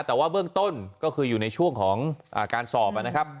แต่ว่าเบื้องต้นก็คืออยู่ในช่วงของการสอบนะครับ